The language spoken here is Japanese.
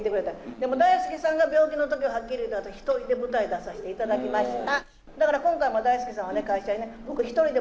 でも大助さんが病気のときは、はっきりいって私、１人で舞台に立たせていただきました。